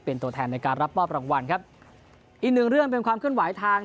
เป็นตัวแทนในการรับมอบรางวัลครับอีกหนึ่งเรื่องเป็นความเคลื่อนไหวทาง